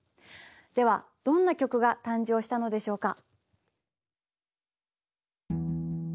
ではどんな曲が誕生したのでしょうか？